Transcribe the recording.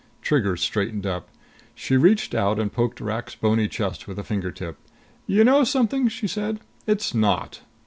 Trigger straightened up. She reached out and poked Rak's bony chest with a finger tip. "You know something?" she said. "It's not!"